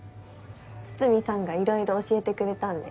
筒見さんがいろいろ教えてくれたんで。